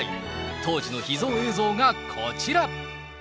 当時の秘蔵映像がこちら。